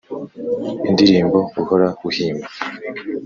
Indirimbo uhora uhimba